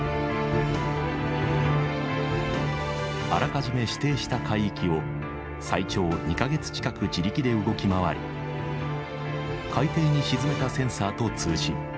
あらかじめ指定した海域を最長２か月近く自力で動き回り海底に沈めたセンサーと通信。